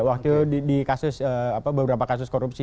waktu di kasus beberapa kasus korupsi